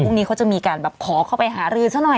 นี้เขาจะมีการแบบขอเข้าไปหารือซะหน่อย